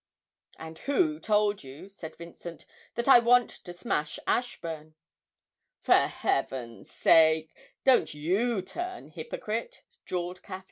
'And who told you,' said Vincent, 'that I want to smash Ashburn?' 'For Heaven's sake don't you turn hypocrite!' drawled Caffyn.